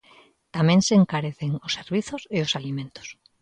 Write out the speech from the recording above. Tamén se encarecen os servizos e os alimentos.